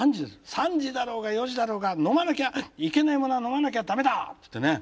「３時だろうが４時だろうが飲まなきゃいけねえものは飲まなきゃ駄目だ！」つってね。